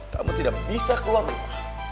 kamu tidak bisa keluar rumah